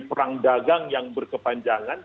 perang dagang yang berkepanjangan